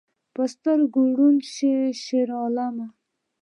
په سترګو ړوند شې شیرعالمه